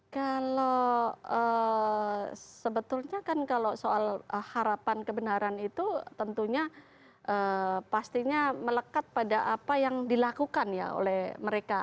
kalau sebetulnya kan kalau soal harapan kebenaran itu tentunya pastinya melekat pada apa yang dilakukan ya oleh mereka